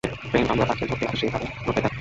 প্রেম, আমরা তাকে ধরতে আর সে তাদের ধরতে ধ্যাত।